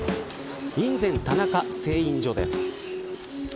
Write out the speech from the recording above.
印善田中製印所です。